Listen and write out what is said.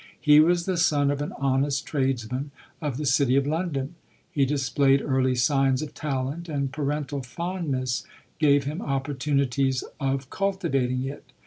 He was the son of an honest tradesman of the city of Lon don. He displayed early signs of talent, and parental fondness gave him opportunities i I cultivating it.